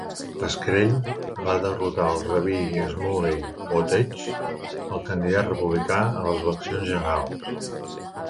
Pascrell va derrotar el rabí Shmuley Boteach, el candidat republicà, a les eleccions generals.